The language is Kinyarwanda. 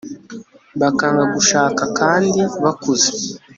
bakanga gushakakandi bakuze